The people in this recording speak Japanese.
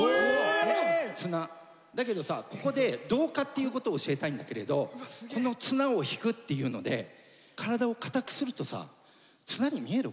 だけどさここで同化っていうことを教えたいんだけれどこの綱を引くっていうので体をかたくするとさ綱に見える？